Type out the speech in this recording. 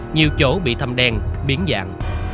nhiều chỗ bị thâm đen biến dạng